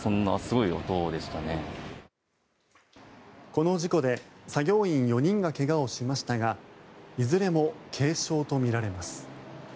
この事故で作業員４人が怪我をしましたがいずれも軽傷とみられます。